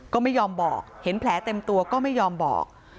ก็ไม่ยอมบอกเห็นแผลเต็มตัวก็ไม่ยอมบอก